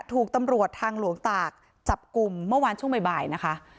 ถูกตำรวจทางหลวงตากจับกลุ่มเมื่อวานช่วงบ่ายนะคะ